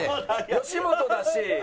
吉本だし。